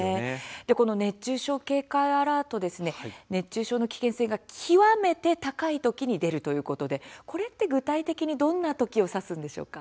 この熱中症警戒アラート熱中症の危険性が極めて高い時に出るということですがこれは具体的にどんな時を指すんでしょうか。